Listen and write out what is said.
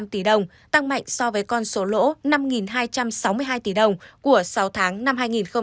tám năm trăm tám mươi năm tỷ đồng tăng mạnh so với con số lỗ năm hai trăm sáu mươi hai tỷ đồng của sáu tháng năm hai nghìn hai mươi